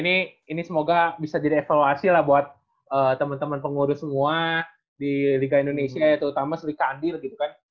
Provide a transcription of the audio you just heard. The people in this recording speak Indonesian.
nah ini semoga bisa jadi evaluasi lah buat teman teman pengurus semua di liga indonesia yaitu utama sri kadir gitu kan